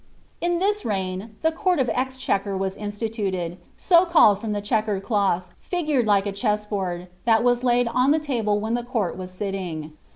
In this reign the Court of Exchequer was instituted, so calbd from the chequered cloth, figured like a chess board, that was laid on the table when the court was sitting.